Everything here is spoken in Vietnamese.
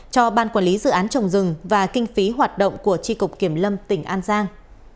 cho ban quản lý dự án trồng rừng và kinh phí hoạt động của tri cục kiểm lâm tỉnh an giang